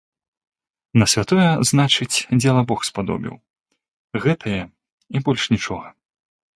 На святое, значыць, дзела бог спадобіў, гэтае, і больш нічога.